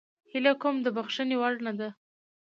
هیله کوم د بخښنې وړ نه ده.